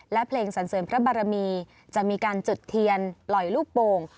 และเพลงสันเสริมพระบารมีจะมีการจุดเทียนปล่อยลูกโป่ง